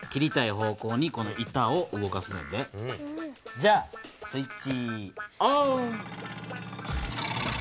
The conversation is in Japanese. じゃあスイッチオン！